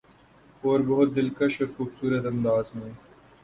اور بہت دلکش اورخوبصورت انداز میں